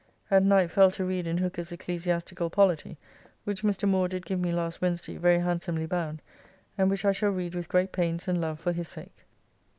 At night fell to read in "Hooker's Ecclesiastical Polity," which Mr. Moore did give me last Wednesday very handsomely bound; and which I shall read with great pains and love for his sake.